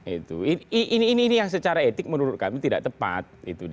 ini yang secara etik menurut kami tidak tepat